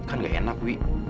kan gak enak wi